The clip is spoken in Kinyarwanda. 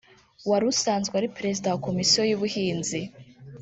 wari usanzwe ari Perezida wa Komisiyo y’Ubuhinzi